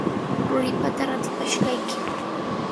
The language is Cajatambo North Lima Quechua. Ruripata ratipashqayki.